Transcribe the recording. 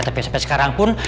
tapi sampai sekarang pun